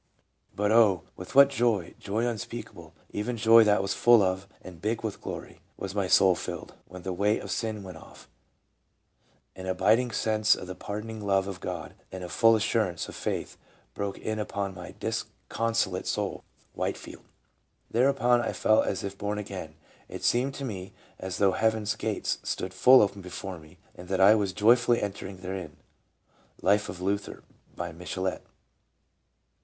" But oh! with what joy, joy un speakable, even joy that was full of and big with glory, was my soul filled, when the weight of sin went off, .... an abiding sense of the pardoning love of God and a full assurance of faith broke in upon my disconsolate soul!" — Whitefield. " Thereupon I felt as if born again, and it seemed to me as though heavens' gates stood full open before me, and that I was joyfully entering therein." — Life of Luther, by Michelet.